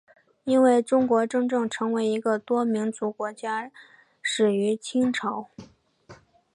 因为中国真正成为一个多民族国家始于清朝。